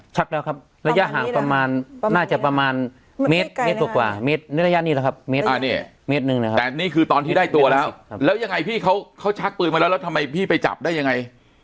ชักแล้วครับระยะห่างประมาณน่าจะประมาณเมตรกว่าเมตรระยะนี้หรอครับอ่าเนี่ยเมตรหนึ่งนะครับแต่นี่คือตอนที่ได้ตัวแล้วแล้วยังไงพี่เขาเขาชักปืนมาแล้วทำไมพี่ไปจับได้ยังไง